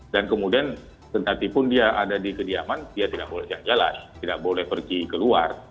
dan kemudian ketatipun dia ada di kediaman dia tidak boleh jalan jalan tidak boleh pergi ke luar